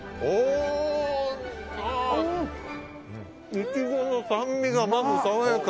イチゴの酸味がまず爽やか！